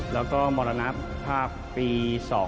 แล้วก็มรณภาพปี๒๕๖